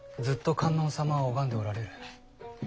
ずっと観音様を拝んでおられる。